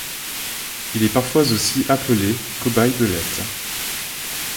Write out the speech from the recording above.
Il est parfois aussi appelée Cobaye-belette.